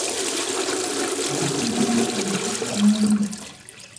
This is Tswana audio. Gompieno mo Tshwane go tlaa nna metsi.